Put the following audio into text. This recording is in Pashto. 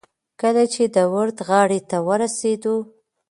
کله چې د ورد غاړې ته ورسېدو.